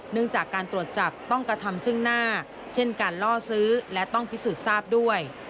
จากการตรวจจับต้องกระทำซึ่งหน้าเช่นการล่อซื้อและต้องพิสูจน์ทราบด้วย